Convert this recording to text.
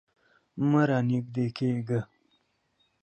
مه رانږدې کیږه